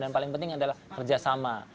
dan paling penting adalah kerjasama